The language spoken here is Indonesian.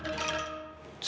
buah sana hati